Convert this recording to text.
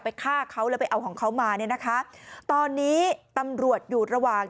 ไปฆ่าเขาและไปเอาของเขามาตอนนี้ตำรวจหยุดระหว่าง